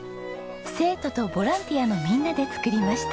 生徒とボランティアのみんなで作りました。